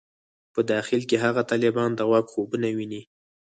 په داخل کې هغه طالبان د واک خوبونه ویني.